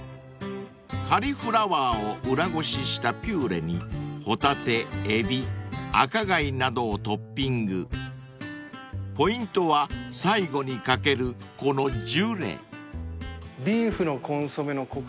［カリフラワーを裏ごししたピューレにホタテエビ赤貝などをトッピング］［ポイントは最後に掛けるこのジュレ］